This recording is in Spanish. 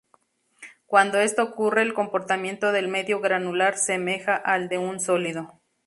Cuando esto ocurre el comportamiento del medio granular semeja al de un sólido.